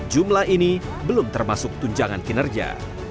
jumlah ini belum termasuk tunjangan kinerja